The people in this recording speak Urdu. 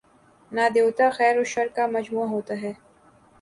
نہ دیوتا، خیر وشرکا مجموعہ ہوتا ہے۔